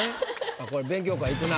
あっこれ勉強会行くな。